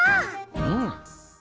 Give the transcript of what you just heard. うん。